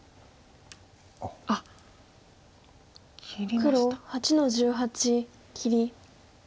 黒８の十八切り。